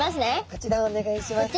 こちらお願いします。